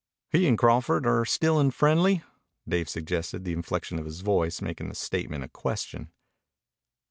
"He and Crawford are still unfriendly," Dave suggested, the inflection of his voice making the statement a question.